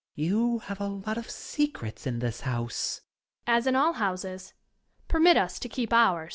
You have a lot of secrets in this house. ... Young Lady. As in all houses .... Permit us to keep ^ours